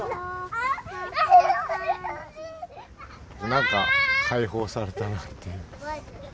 なんか解放されたなって。